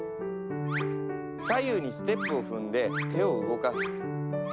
左右にステップを踏んで手を動かす。